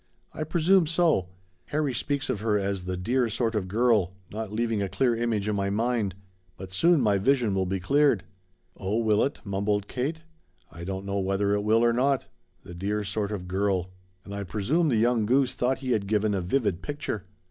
I presume so. Harry speaks of her as 'the dear sort of girl,' not leaving a clear image in my mind. But soon my vision will be cleared." "Oh, will it?" mumbled Kate. "I don't know whether it will or not. 'The dear sort of girl!' And I presume the young goose thought he had given a vivid picture."